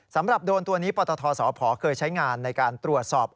สำหรับโดรนตัวนี้ปฏธศพเคยใช้งานในการตรวจสอบ